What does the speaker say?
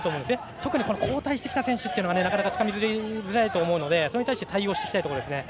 特に交代してきた選手がなかなかつかみづらいのでそれに対して対応していきたいところですね。